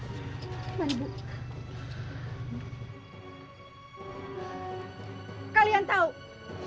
kalian tahu kalian telah melakukan perbuatan anarki